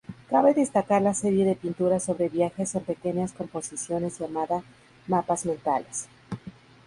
Cabe destacar la serie de pinturas sobre viajes en pequeñas composiciones llamada "Mapas mentales".